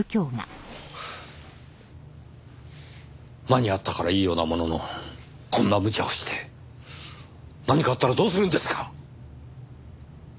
間に合ったからいいようなもののこんなむちゃをして何かあったらどうするんですか？